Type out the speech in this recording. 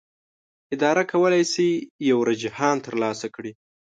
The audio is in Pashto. اداره کولی شي یو رجحان ترلاسه کړي.